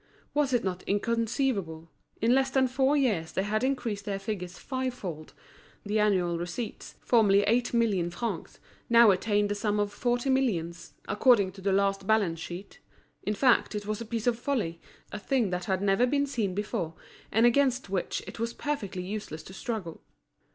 Was it not inconceivable? In less than four years they had increased their figures five fold; the annual receipts, formerly eight million francs, now attained the sum of forty millions, according to the last balance sheet. In fact it was a piece of folly, a thing that had never been seen before, and against which it was perfectly useless to struggle.